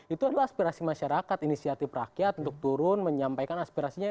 itu adalah aspirasi masyarakat inisiatif rakyat untuk turun menyampaikan aspirasinya